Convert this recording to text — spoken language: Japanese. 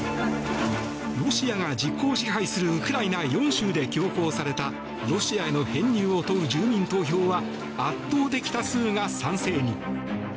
ロシアが実効支配するウクライナ４州で強行されたロシアへの編入を問う住民投票は圧倒的多数が賛成に。